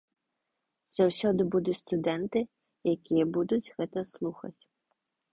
Заўсёды будуць студэнты, якія будуць гэта слухаць.